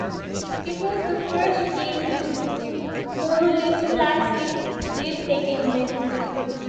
It was the first game to use Monolith's flagship Lithtech engine.